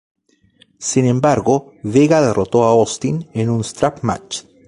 Sin embargo, Vega derrotó a Austin en en un strap match.